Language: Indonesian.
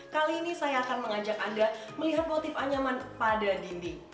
kali ini saya akan mengajak anda melihat motif anyaman pada dinding